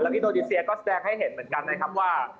อินโดนีเซียก็แสดงให้เห็นเหมือนกันนะครับว่า